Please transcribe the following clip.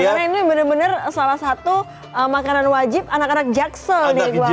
karena ini benar benar salah satu makanan wajib anak anak jaksel nih